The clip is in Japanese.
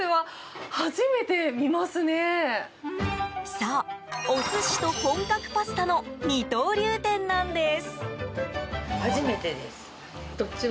そう、お寿司と本格パスタの二刀流店なんです。